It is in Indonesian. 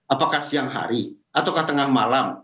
apakah siang hari atau tengah malam